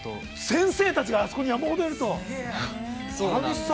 ◆先生たちが、あそこに山ほどいると。